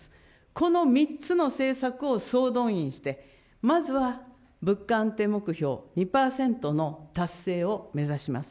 この３つの政策を総動員して、まずは物価安定目標２％の達成を目指します。